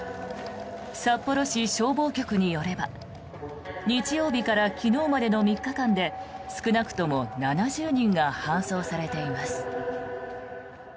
札幌市消防局によれば日曜日から昨日までの３日間で少なくとも７０人が搬送されています。